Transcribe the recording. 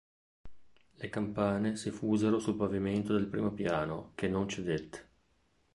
Le campane si fusero sul pavimento del primo piano, che non cedette.